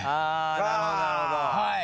なるほどなるほど。